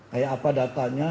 kayak apa datanya